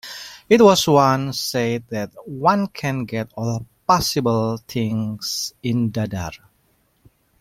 It was once said that one can get all possible things in Dadar.